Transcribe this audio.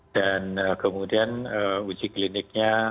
dan kemudian uji kliniknya